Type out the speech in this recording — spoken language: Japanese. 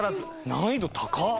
難易度高っ！